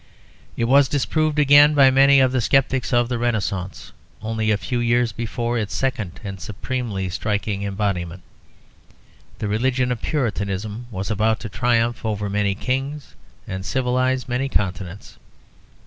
It was disproved again by many of the sceptics of the Renaissance only a few years before its second and supremely striking embodiment, the religion of Puritanism, was about to triumph over many kings and civilise many continents.